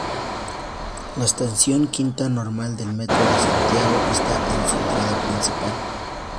La estación Quinta Normal del Metro de Santiago está en su entrada principal.